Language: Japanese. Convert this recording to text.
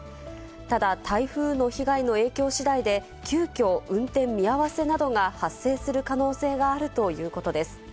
ただ、台風の被害の影響しだいで、急きょ、運転見合わせなどが発生する可能性があるということです。